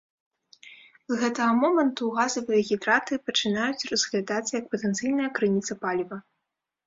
З гэтага моманту газавыя гідраты пачынаюць разглядацца як патэнцыйная крыніца паліва.